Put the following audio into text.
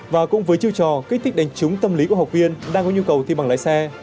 và cũng với chiêu trò kích thích đánh trúng tâm lý của học viên đang có nhu cầu thi bằng lái xe